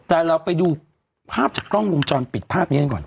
แต่เราไปดูภาพจากกล้องวงจรปิดภาพนี้กันก่อน